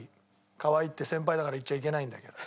かわいいって先輩だから言っちゃいけないんだけど。